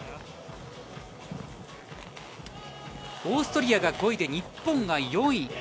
オーストリアが５位で日本が４位。